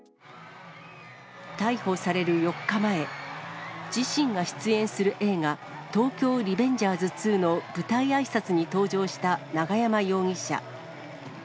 逮捕される４日前、自身が出演する映画、東京リベンジャーズ２の舞台あいさつに登場した永山容疑者。